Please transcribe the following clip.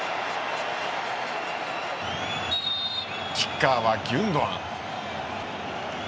キッカーはギュンドアン。